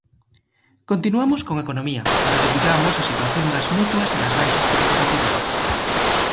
Continuamos con Economía, onde debullamos a situación das mutuas e das baixas por incapacidade.